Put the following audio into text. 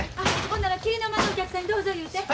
ほんなら桐の間のお客さんにどうぞ言うて。